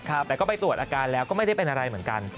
แต่ก็ไปตรวจอาการแล้วก็ไม่ได้เป็นอะไรเหมือนกัน